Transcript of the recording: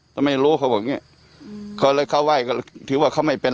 ก็ไม่รู้เขาบอกอย่างเงี้ยเขาเลยเขาไหว้ก็ถือว่าเขาไม่เป็น